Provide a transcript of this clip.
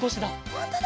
ほんとだ。